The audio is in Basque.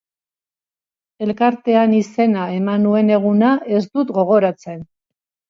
Elkartean izena eman nuen eguna ez dut gogoratzen.